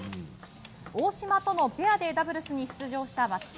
大島とのペアでダブルスに出場した松島。